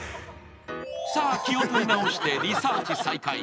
さあ、気を取り直して、リサーチ再開。